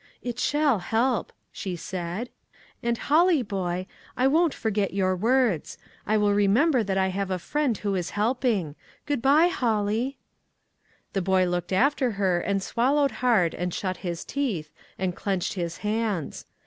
"It shall help," she said; "and Holly, boy, I won't forget your words. I will re member that I have a friend who is help ing. Good by, Holly!" The boy looked after her, and swallowed hard, and shut his teeth, and clenched his hands.